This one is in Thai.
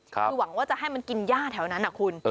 คือหวังว่าจะให้มันกินย่าแถวนั้นนะคุณ